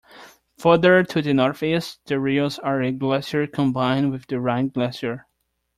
Further to the northeast, the Reuss-Aare Glacier combined with the Rhine glacier.